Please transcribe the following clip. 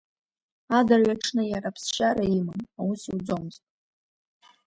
Адырҩаҽны иара аԥсшьара иман, аус иуӡомызт.